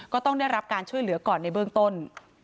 ก็ต้องได้รับการช่วยเหลือก่อนในเบื้องต้น